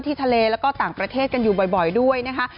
ทะเลแล้วก็ต่างประเทศกันอยู่บ่อยด้วยนะคะ